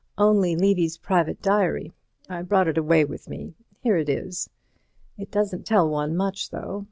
"Only Levy's private diary. I brought it away with me. Here it is. It doesn't tell one much, though.